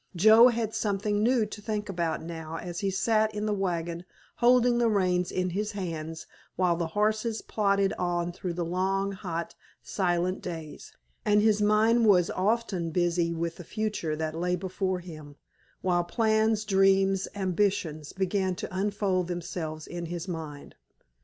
Joe had something new to think about now as he sat in the wagon holding the reins in his hands while the horses plodded on through the long, hot, silent days, and his mind was often busy with the future that lay before him, while plans, dreams, ambitions began to unfold themselves in his mind.